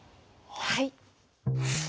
はい。